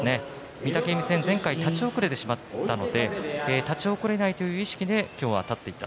御嶽海戦前回、立ち遅れてしまったので立ち遅れないという意識で今日は立っていた。